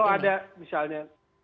tapi kalau ada misalnya